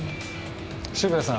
渋谷さん。